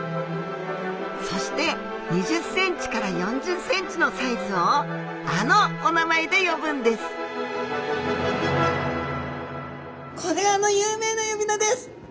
そして２０センチから４０センチのサイズをあのお名前で呼ぶんですこれがあの有名な呼び名です。